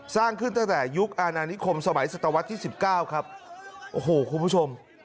สร้างขึ้นตั้งแต่ยุคอาณานิคมสมัยศตวรรษที่๑๙ครับโอ้โหคุณผู้ชม